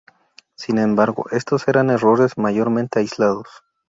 Sin embargo, estos eran errores mayormente aislados.